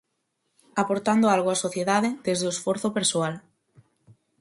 Aportando algo á sociedade, desde o esforzo persoal.